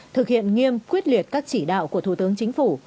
thực hiện nghiêm quyết liệt các chỉ đạo của thủ tướng chính phủ